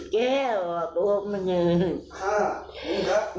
แก่เหรอปุ๊บมันเยอะ